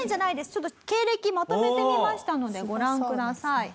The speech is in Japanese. ちょっと経歴まとめてみましたのでご覧ください。